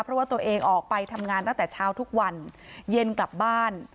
เพราะว่าตัวเองออกไปทำงานตั้งแต่เช้าทุกวันเย็นกลับบ้าน